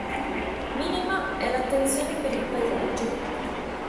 Minima è l'attenzione per il paesaggio.